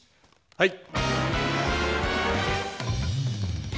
はい。